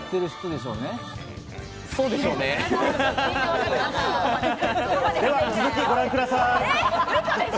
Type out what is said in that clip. では続きご覧ください。